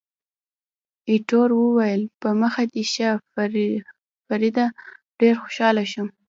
ایټور وویل، په مخه دې ښه فریډه، ډېر خوشاله شوم.